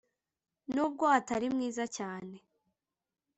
nubwo atari mwiza cyane